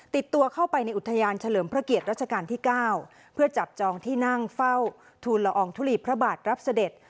ติดตัวเข้าไปในอุทยานเฉลิมพระเกียรติรัชกาลที่๙เพื่อจับจองที่นั่งเฝ้าทูลละอองทุลีพระบาทรับเสด็จ